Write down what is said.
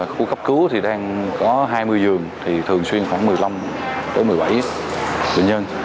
khu khắp cứu thì đang có hai mươi dường thì thường xuyên khoảng một mươi năm một mươi bảy bệnh nhân